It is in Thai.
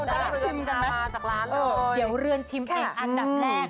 ก็จะมาจากร้านเลยเดี๋ยวเรื่องชิมอีกอันดับแรก